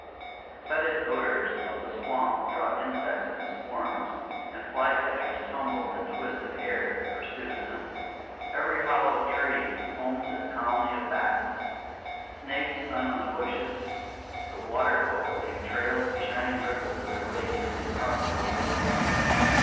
The fetid odours of the swamp draw insects in swarms, and fly catchers tumble and twist in air in pursuit of them. Every hollow tree homes its colony of bats. Snakes sun on the bushes. The water folk leave trails of shining ripples in their wake as they cross the lagoons.